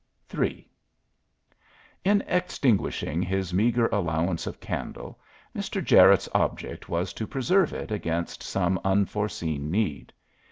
III In extinguishing his meagre allowance of candle Mr. Jarette's object was to preserve it against some unforeseen need.